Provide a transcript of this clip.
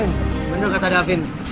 bener kata davin